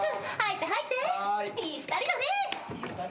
いい２人だね。